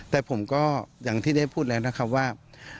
แต่ผมก็อย่างที่ได้พูดแล้วนะครับว่า